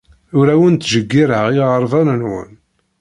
Ur awen-ttjeyyireɣ iɣerban-nwen.